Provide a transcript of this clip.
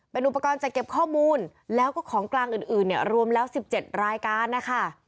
เป็นอุปกรณ์จัดเก็บข้อมูลแล้วก็ของกลางอื่นเนี่ยรวมแล้ว๑๗รายการนะคะ